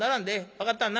分かっとんな？